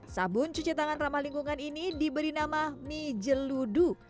sabun cuci tangan ramah lingkungan ini diberi nama mijeludu